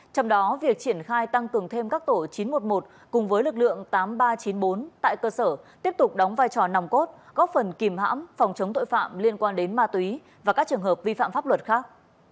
trong đó việc triển khai tăng cường thêm các tổ chín trăm một mươi một cùng với lực lượng tám nghìn ba trăm chín mươi bốn tại cơ sở tiếp tục đóng vai trò nòng cốt góp phần kìm hãm phòng chống tội phạm liên quan đến ma túy và các trường hợp vi phạm pháp luật khác